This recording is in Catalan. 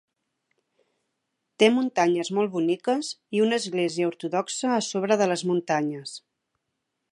Té muntanyes molt boniques i una església ortodoxa a sobre de les muntanyes.